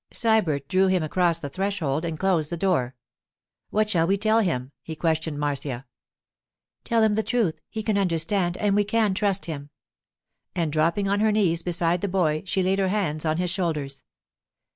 Sybert drew him across the threshold and closed the door. 'What shall we tell him?' he questioned Marcia. 'Tell him the truth. He can understand, and we can trust him.' And dropping on her knees beside the boy, she laid her hands on his shoulders.